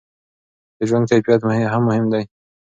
د ژوند کیفیت هم مهم دی.